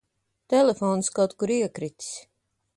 Telefons kaut kur iekritis.